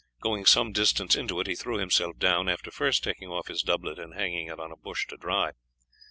Going some distance into it he threw himself down, after first taking off his doublet and hanging it on a bush to dry.